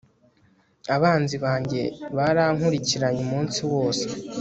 abanzi banjye barankurikiranye umunsi wose